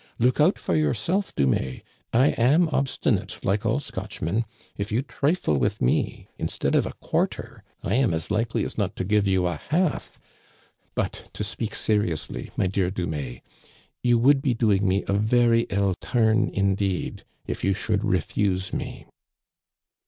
Look out for yourself, Dumais ! I am obsti nate, like all Scotchmen. If you trifle with me, instead of a quarter, I am as likely as not to give you a half. But, to speak seriously, my dear Dumais, you would be doing me a very ill turn, indeed, if you should refuse me.